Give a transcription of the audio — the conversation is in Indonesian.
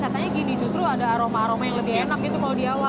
katanya gini justru ada aroma aroma yang lebih enak gitu kalau di awal